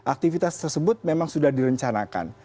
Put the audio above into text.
karena aktivitas tersebut memang sudah direncanakan